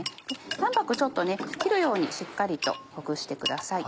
卵白ちょっと切るようにしっかりとほぐしてください。